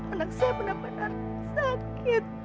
anak saya benar benar sakit